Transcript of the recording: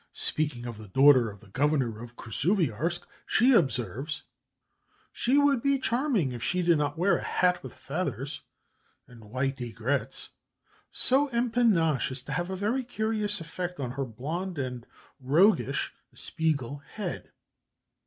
Speaking of the daughter of the Governor of Krasuvïarsk, she observes: "She would be charming, if she did not wear a hat with feathers and white aigrettes, so empanaché as to have a very curious effect on her blonde and roguish (espiègle) head."